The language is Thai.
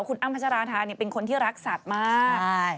ว่าคุณอ้ำพัจจาราภาพนี่เป็นคนที่รักสัตว์มาก